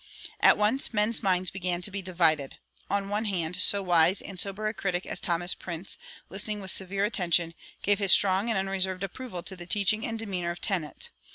At once men's minds began to be divided. On the one hand, so wise and sober a critic as Thomas Prince, listening with severe attention, gave his strong and unreserved approval to the preaching and demeanor of Tennent.